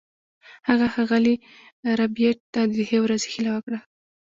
هغه ښاغلي ربیټ ته د ښې ورځې هیله وکړه